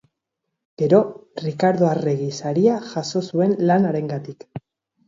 Gero Rikardo Arregi Saria jaso zuen lan harengatik.